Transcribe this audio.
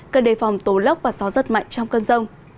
cần đề phòng tố lốc và gió rất mạnh trong cơn rông